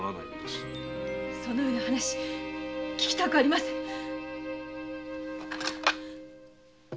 そのような話聞きたくありませぬ！